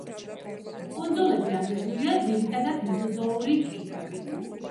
კუნძულები აგებულია ძირითადად მეზოზოური კირქვებით.